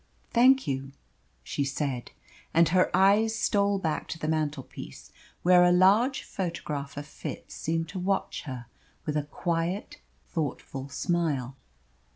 "Thank you," she said; and her eyes stole back to the mantelpiece, where a large photograph of Fitz seemed to watch her with a quiet, thoughtful smile.